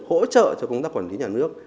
hỗ trợ cho công tác quản lý nhà nước